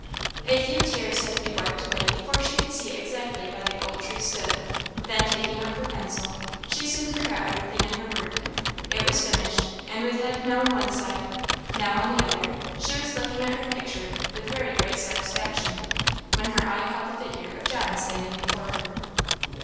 A few tears had to be wiped away before she could see exactly how the old tree stood, then, taking up her pencil, she soon forgot everything in her work. It was finished, and with head now on one side, now on the other, she was looking at her picture with very great satisfaction, when her eye caught the figure of John standing before her.